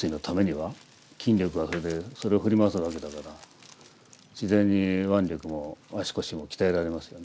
筋力がそれでそれを振り回すわけだから自然に腕力も足腰も鍛えられますよね。